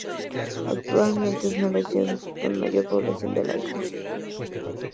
Actualmente es una de las ciudades con mayor población en la isla.